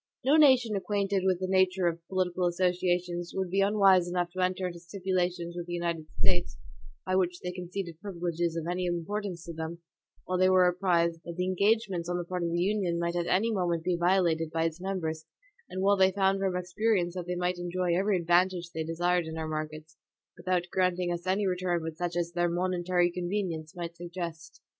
No nation acquainted with the nature of our political association would be unwise enough to enter into stipulations with the United States, by which they conceded privileges of any importance to them, while they were apprised that the engagements on the part of the Union might at any moment be violated by its members, and while they found from experience that they might enjoy every advantage they desired in our markets, without granting us any return but such as their momentary convenience might suggest.